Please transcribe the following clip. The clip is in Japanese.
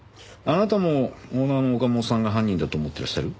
あなたもオーナーの岡本さんが犯人だと思っていらっしゃる？